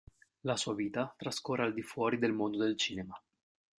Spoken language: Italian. La sua vita trascorre al di fuori del mondo del cinema.